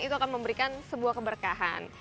itu akan memberikan sebuah keberkahan